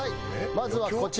まずはこちら。